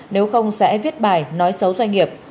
nếu không sẽ viết bài nói xấu doanh nghiệp